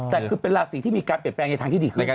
แต่คือเป็นราศีที่มีการเปลี่ยนแปลงในทางที่ดีขึ้น